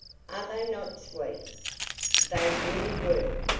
"ARE they not sweet?" They really were.